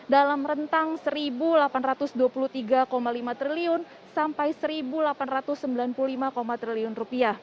dalam rentang rp satu delapan ratus dua puluh tiga lima triliun sampai rp satu delapan ratus sembilan puluh lima triliun